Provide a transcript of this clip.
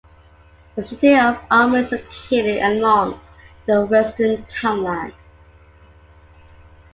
The city of Alma is located along the western town line.